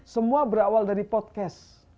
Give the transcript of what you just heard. semua berawal dari podcast